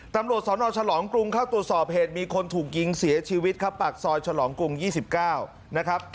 ตำรวจสนฉลองกรุงเข้าตรวจสอบเหตุมีคนถูกยิงเสียชีวิตครับปากซอยฉลองกรุง๒๙นะครับ